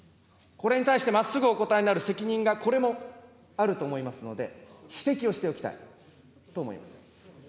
これに対して、まっすぐお答えになる責任が、これもあると思いますので、指摘をしておきたいと思います。